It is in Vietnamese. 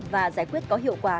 và giải quyết có hiệu quả